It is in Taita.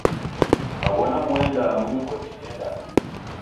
Kaw'ona muendaa munighorie diendanye.